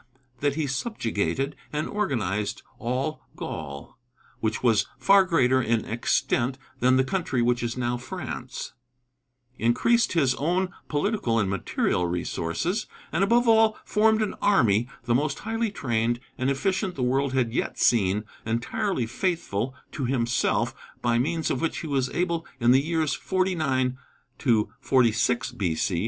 that he subjugated and organized "All Gaul," which was far greater in extent than the country which is now France; increased his own political and material resources; and above all formed an army, the most highly trained and efficient the world had yet seen, entirely faithful to himself, by means of which he was able in the years 49 46 B.C.